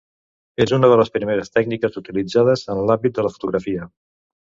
És una de les primeres tècniques utilitzades en l'àmbit de la fotografia.